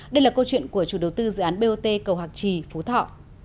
đây là câu chuyện của chủ đầu tư dự án bot cầu hạc trì phú thọ